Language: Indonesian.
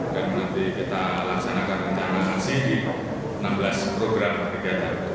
dan nanti kita laksanakan rencana nasi di enam belas program kerja